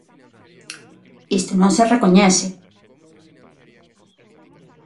Isto non se recoñece.